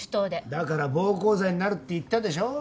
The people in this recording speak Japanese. だから暴行罪になるって言ったでしょ。